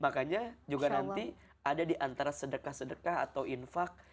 makanya juga nanti ada di antara sedekah sedekah atau infak